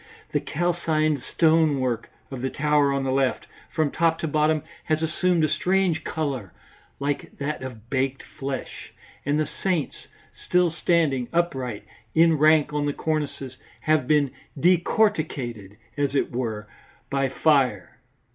The calcined stone work of the tower on the left, from top to bottom, has assumed a strange colour like that of baked flesh, and the saints, still standing upright in rank on the cornices, have been decorticated, as it were, by fire.